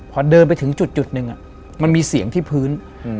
พอเดินไปถึงจุดหนึ่งมันมีเสียงที่พื้น